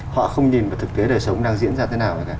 họ không nhìn vào thực tế đời sống đang diễn ra thế nào nữa cả